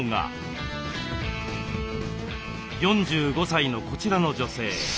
４５歳のこちらの女性。